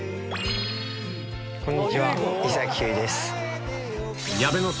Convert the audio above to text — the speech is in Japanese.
こんにちは。